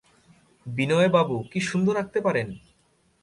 বিনয়বাবু কী সুন্দর আঁকতে পারেন!